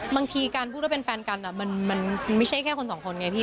บางทีการพูดว่าเป็นแฟนกันมันไม่ใช่แค่คนสองคนไงพี่